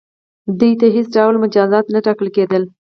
دوی ته هیڅ ډول مجازات نه ټاکل کیدل.